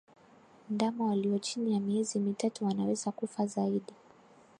Ndama walio chini ya miezi mitatu wanaweza kufa zaidi